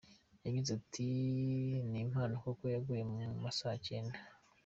Yagize ati “Ni impamo koko yaguye mu ma saa cyenda.